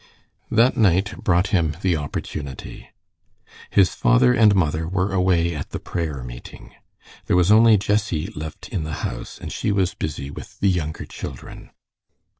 That night brought him the opportunity. His father and mother were away at the prayer meeting. There was only Jessie left in the house, and she was busy with the younger children.